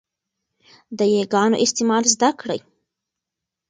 د 'ي' ګانو استعمال زده کړئ.